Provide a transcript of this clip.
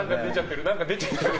何か出ちゃってる。